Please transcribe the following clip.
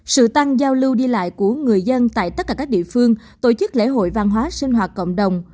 sự tăng giao lưu đi lại của người dân tại tất cả các địa phương tổ chức lễ hội văn hóa sinh hoạt cộng đồng